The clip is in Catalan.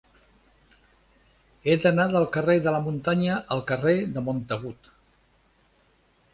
He d'anar del carrer de la Muntanya al carrer de Montagut.